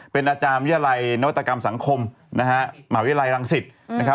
เป็นอาจารย์วิทยาลัยนวัตกรรมสังคมมหาวิทยาลัยรังสิต